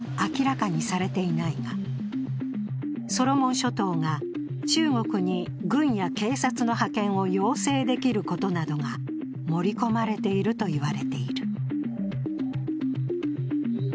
具体的内容は明らかにされていないが、ソロモン諸島が中国に軍や警察の派遣を要請できることなどが盛り込まれているといわれている。